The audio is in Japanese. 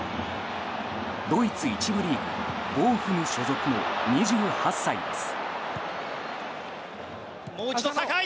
ドイツ１部リーグのボーフム所属の２８歳です。